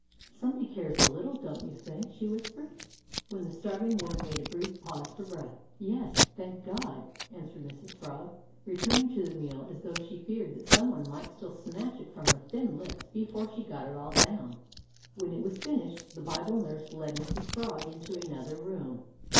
"Somebody cares a little, don't you think?" she whispered, when the starving woman made a brief pause for breath. "Yes, thank God," answered Mrs Frog, returning to the meal as though she feared that some one might still snatch it from her thin lips before she got it all down. When it was finished the Bible nurse led Mrs Frog into another room.